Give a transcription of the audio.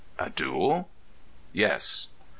"A duel?" "Yes." Mr.